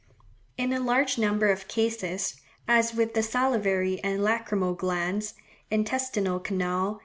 In a large number of cases, as with the salivary and lacrymal glands, intestinal canal, &c.